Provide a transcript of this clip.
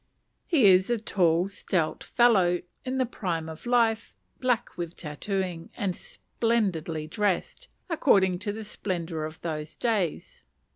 He is a tall, stout fellow, in the prime of life, black with tatooing, and splendidly dressed, according to the splendour of those days.